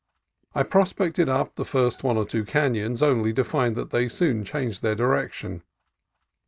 I prospected up the first one or two canons, only to find that they soon changed their direction.